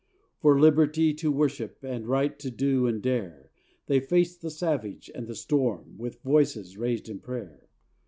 For liberty to worship, And right to do and dare, They faced the savage and the storm With voices raised in prayer.